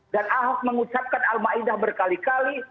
dan ahok mengucapkan al ma'idah berkali kali